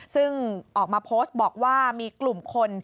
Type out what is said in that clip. ซึ่งออกมาโพสต์บอกว่ามีกลุ่มคน